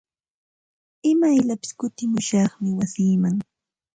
Imayllapis kutimushaqmi wasiiman.